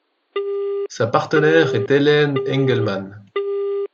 Sa partenaire est Helene Engelmann.